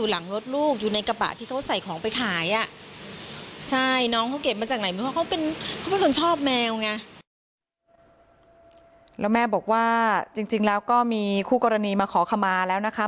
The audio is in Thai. แล้วแม่บอกว่าจริงแล้วก็มีคู่กรณีมาขอขมาแล้วนะคะ